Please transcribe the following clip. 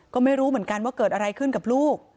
ก็ไม่รู้เหมือนกันว่าเกิดอะไรขึ้นกับลูก